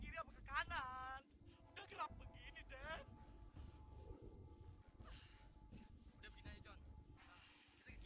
lekas cepat doni